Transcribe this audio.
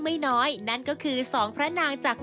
ก็เป็นประเด็นหลือที่ว่านางเอกสาวแบ๊ว